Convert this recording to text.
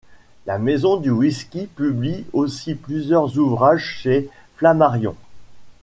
La Maison du Whisky publie aussi plusieurs ouvrages chez Flammarion.